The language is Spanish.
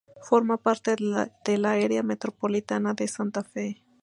Forma parte del área metropolitana de Santa Fe.